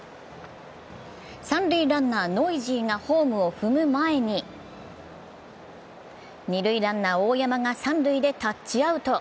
三塁ランナー・ノイジーがホームを踏む前に二塁ランナー大山が三塁でタッチアウト。